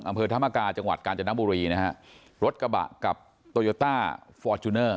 อำเภอธรรมกาจังหวัดกาญจนบุรีนะฮะรถกระบะกับโตโยต้าฟอร์จูเนอร์